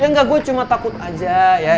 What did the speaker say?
ya enggak gue cuma takut aja ya